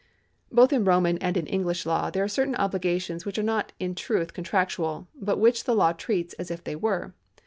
Both in Roman and in English law there are certain obli gations which are not in truth contractual, but which the law treats as if they were.